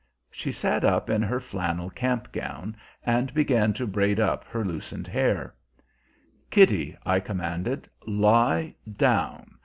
She sat up in her flannel camp gown, and began to braid up her loosened hair. "Kitty," I commanded, "lie down.